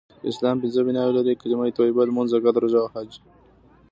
اسلام پنځه بناوې لری : کلمه طیبه ، لمونځ ، زکات ، روژه او حج